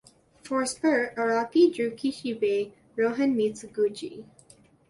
For "Spur", Araki drew "Kishibe Rohan meets Gucci.